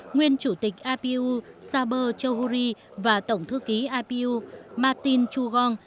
nguyên chủ tịch apu saber chauhuri và tổng thư ký apu martin chugong